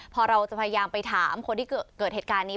พอเราจะพยายามไปถามคนที่เกิดเหตุการณ์นี้